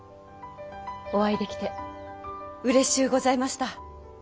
お会いできてうれしゅうございました。